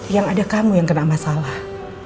yang ada kamu yang kena masalah